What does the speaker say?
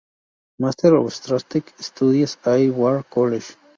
Máster of Strategic Studies, Air War College.